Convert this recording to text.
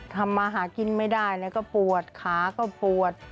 ทำมาหากินไม่ได้ก็ปวดขาก็ปวด